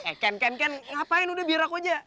eh kan kan kan ngapain udah biar aku aja